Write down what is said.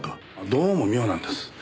どうも妙なんです。